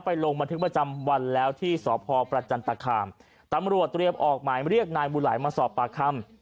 ลงบันทึกประจำวันแล้วที่สพประจันตคามตำรวจเตรียมออกหมายเรียกนายบุไหลมาสอบปากคำ